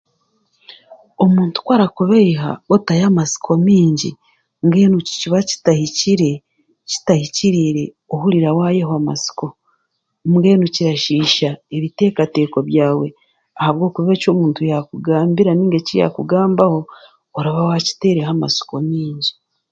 Omuntu ku arakubaiha otayo amatsiko maingi mbenu nikiba kitahikire kitahikiriire, ohurira waayewa amatsiko, mbwenu kirasiisa ebiteekateeko byawe ahabwokuba omuntu eki yaakugambira nari eki yaakugambaho oraba waayehwiremu amatsiko maingi.